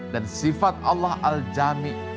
dan sifat allah al jami